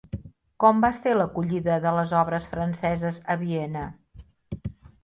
Com va ser l'acollida de les obres franceses a Viena?